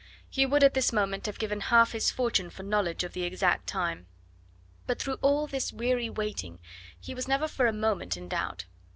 He would at this moment have given half his fortune for knowledge of the exact time. But through all this weary waiting he was never for a moment in doubt.